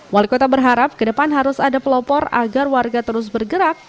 wali kota berharap ke depan harus ada pelopor agar warga terus bergerak